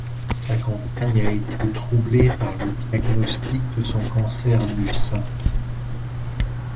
Sa campagne a été troublée par le diagnostic de son cancer du sein.